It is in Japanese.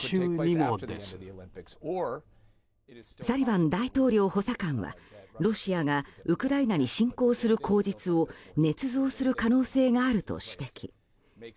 サリバン大統領補佐官はロシアがウクライナに侵攻する口実をねつ造する可能性があると指摘。